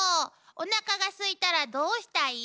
おなかがすいたらどうしたい？